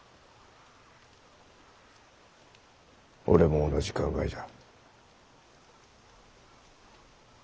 俺も同じ考えじゃ。